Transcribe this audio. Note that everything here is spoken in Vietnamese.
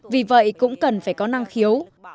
vì vậy cũng cần phải có năng khiếu